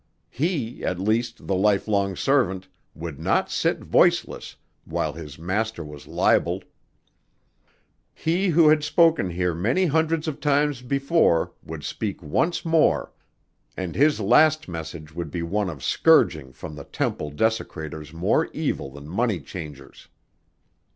He at least, the lifelong servant, would not sit voiceless while his Master was libeled. He who had spoken here many hundreds of times before would speak once more and his last message would be one of scourging from the temple desecrators more evil than money changers.